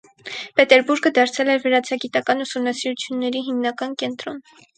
Պետերբուրգը դարձել էր վրացագիտական ուսումնասիրությունների հիմնական կենտրոն։